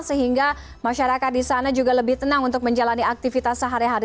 sehingga masyarakat di sana juga lebih tenang untuk menjalani aktivitas sehari hari